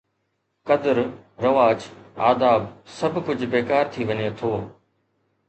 قدر، رواج، آداب، سڀ ڪجهه بيڪار ٿي وڃي ٿو.